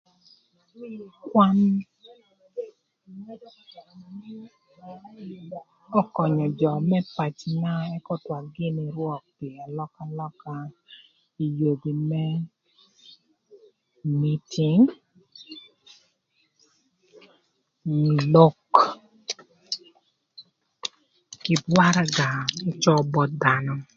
Kwan römö könyö jö më pacöna ëk ökwan gïnï rwök pï alökalöka ï yodhï më tic cïng onyo lok kï waraga n'ëcö both dhanö.